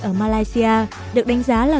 ở malaysia được đánh giá là